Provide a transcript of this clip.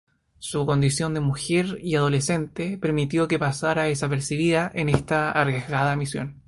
Su condición de mujer y adolescente permitió que pasara desapercibida en esta arriesgada misión.